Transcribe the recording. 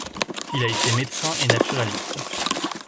Il a été médecin et naturaliste.